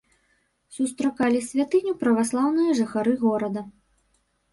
Сустракалі святыню праваслаўныя жыхары горада.